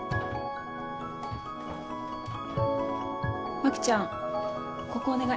牧ちゃんここお願い。